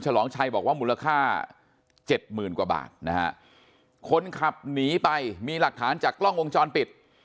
ฉลองชัยบอกว่ามูลค่าเจ็ดหมื่นกว่าบาทนะฮะคนขับหนีไปมีหลักฐานจากกล้องวงจรปิด